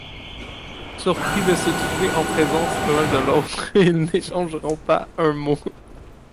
Surpris de se trouver en présence l’un de l’autre, ils n’échangeront pas un mot.